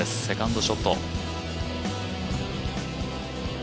セカンドショット。